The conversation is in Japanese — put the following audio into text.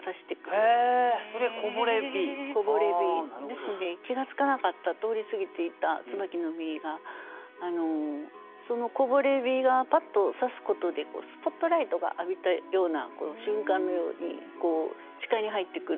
ですので気が付かなかった通り過ぎていった椿の実がそのこぼれ日がパッと射すことでスポットライトが浴びたような瞬間のように視界に入ってくる。